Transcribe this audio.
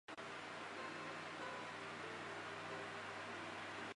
美洲攀鼠属等之数种哺乳动物。